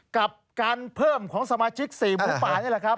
กับการเพิ่มของสมาชิก๔หมูป่านี่แหละครับ